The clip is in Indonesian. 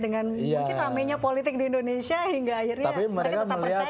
dengan mungkin ramenya politik di indonesia hingga akhirnya mereka tetap percaya